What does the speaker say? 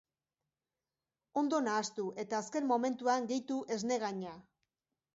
Ondo nahastu eta azken momentuan gehitu esnegaina.